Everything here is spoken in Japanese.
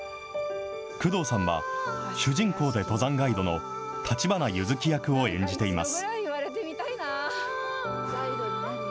工藤さんは、主人公で登山ガイドの立花柚月役を演じています。